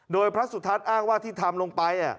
โดยพระสุทัศน์อ้างว่าที่ทำลงไป